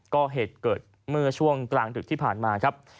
ก็เหตุเกิดเมื่อช่วงกลางดึกที่ผ่านมาครับ